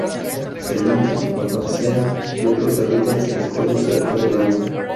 Se limita a várzea y otros hábitats boscosos cerca del agua.